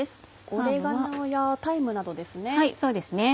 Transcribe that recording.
オレガノやタイムなどですね。